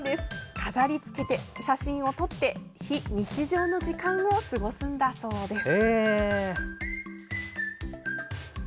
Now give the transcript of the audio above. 飾りつけて、写真を撮って非日常の時間を過ごすんだそうです。